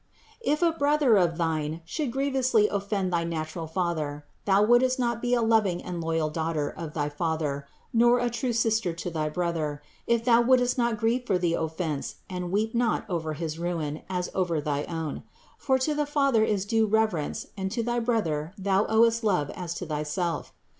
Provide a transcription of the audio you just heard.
68. If a brother of thine should grievously offend thy natural father, thou wouldst not be a loving and loyal daughter of thy father, nor a true sister to thy brother, if thou wouldst not grieve for the offense and weep not over his ruin as over thy own ; for to the father is due reverence and to thy brother thou owest love as to thy self.